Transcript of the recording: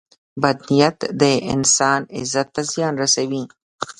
• بد نیت د انسان عزت ته زیان رسوي.